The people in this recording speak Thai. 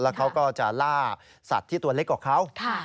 เขาก็จะล่าสัตว์ที่ตัวเล็กกว่าเขา